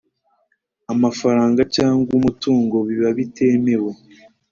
amafaranga cyangwa umutungo biba bitemewe